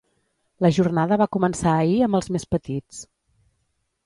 La jornada va començar ahir amb els més petits.